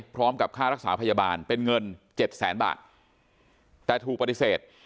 พร้อมกับค่ารักษาพยาบาลเป็นเงินเจ็ดแสนบาทแต่ถูกปฏิเสธ